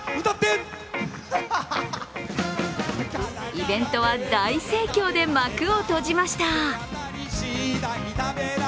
イベントは大盛況で幕を閉じました。